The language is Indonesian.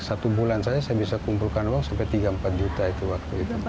satu bulan saya bisa mengumpulkan uang sampai tiga puluh empat juta itu waktu itu